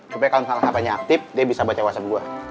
supaya kalau salah katanya aktif dia bisa baca whatsapp gue